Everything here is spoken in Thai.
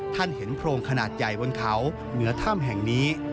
ท่านเห็นโพรงขนาดใหญ่บนเขาเหนือถ้ำแห่งนี้